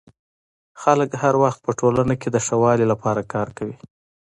خلک هر وخت په ټولنه کي د ښه والي لپاره کار کوي.